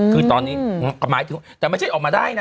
คือตอนนี้แต่มันไม่ใช่ออกมาได้นะ